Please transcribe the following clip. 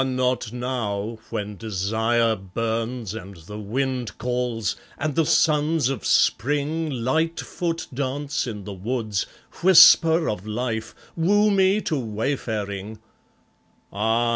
not now, when desire burns, and the wind calls, and the suns of spring Light foot dance in the woods, whisper of life, woo me to wayfaring; Ah!